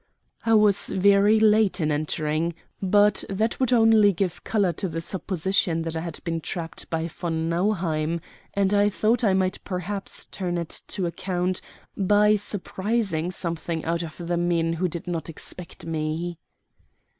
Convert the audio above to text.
I was very late in entering, but that would only give color to the supposition that I had been trapped by von Nauheim; and I thought I might perhaps turn it to account by surprising something out of the men who did not expect me.